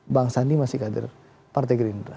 bang sandi masih kader partai gerindra